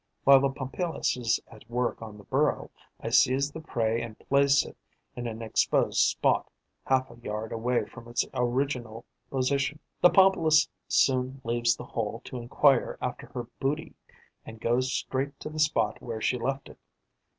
While the Pompilus is at work on the burrow, I seize the prey and place it in an exposed spot, half a yard away from its original position. The Pompilus soon leaves the hole to enquire after her booty and goes straight to the spot where she left it.